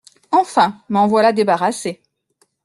Enfin m’en voilà débarrassée.